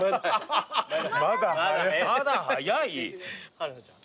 春菜ちゃん。